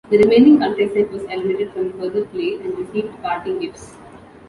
The remaining contestant was eliminated from further play and received parting gifts.